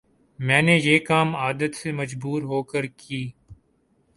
میں نے یہ کام عادت سے مجبور ہوکرکی